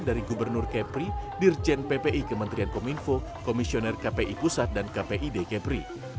dari gubernur kepri dirjen ppi kementerian kominfo komisioner kpi pusat dan kpid kepri